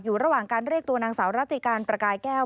อยู่ระหว่างการเรียกตัวนางสาวรัติการประกายแก้ว